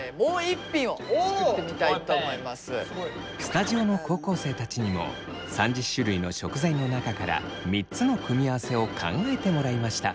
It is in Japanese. スタジオの高校生たちにも３０種類の食材の中から３つの組み合わせを考えてもらいました。